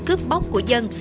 cướp bóc của dân